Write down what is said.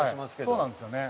そうなんですよね。